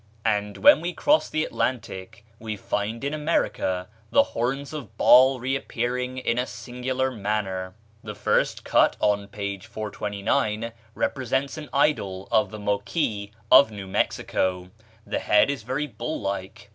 And when we cross the Atlantic, we find in America the horns of Baal reappearing in a singular manner. The first cut on page 429 represents an idol of the Moquis of New Mexico: the head is very bull like.